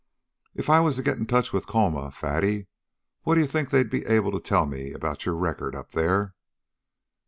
"If I was to get in touch with Colma, Fatty, what d'you think they'd be able to tell me about your record up there?"